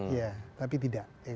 ya tapi tidak